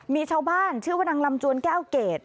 มีชาวบ้านชื่อว่านางลำจวนแก้วเกรด